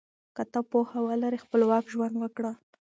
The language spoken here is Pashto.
که ته پوهه ولرې خپلواک ژوند کوې.